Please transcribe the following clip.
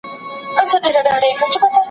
ښه ولاړ سې ځوانه .